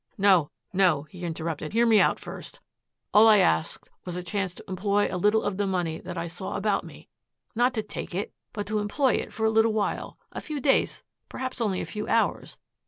"No, no," he interrupted. "Hear me out first. All I asked was a chance to employ a little of the money that I saw about me not to take it, but to employ it for a little while, a few days, perhaps only a few hours.